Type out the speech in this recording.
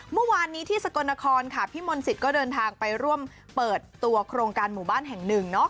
เมื่อวานนี้ที่สกลนครค่ะพี่มนต์สิทธิ์ก็เดินทางไปร่วมเปิดตัวโครงการหมู่บ้านแห่งหนึ่งเนาะ